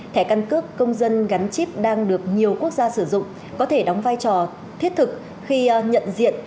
thẻ căn cước công dân gắn chip đang được nhiều quốc gia sử dụng có thể đóng vai trò thiết thực khi nhận diện